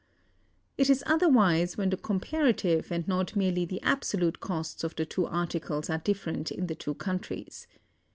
It is otherwise when the comparative and not merely the absolute costs of the two articles are different in the two countries.